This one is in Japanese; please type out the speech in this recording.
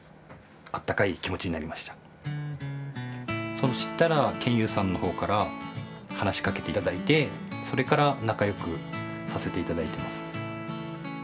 そしたら研雄さんの方から話しかけて頂いてそれから仲よくさせて頂いてます。